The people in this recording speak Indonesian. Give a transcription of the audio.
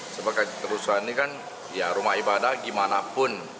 sebab kerusuhan ini kan ya rumah ibadah gimana pun